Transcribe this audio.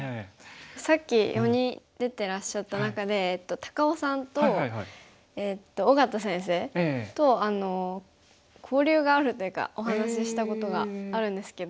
さっき４人出てらっしゃった中で高雄さんと小県先生と交流があるというかお話ししたことがあるんですけど。